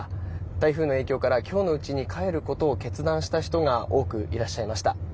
台風の影響から今日のうちに帰ることを決断した人が多くいらっしゃいました。